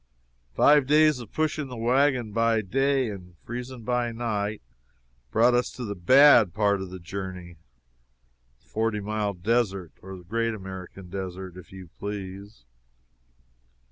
Five days of pushing the wagon by day and freezing by night brought us to the bad part of the journey the Forty Mile Desert, or the Great American Desert, if you please.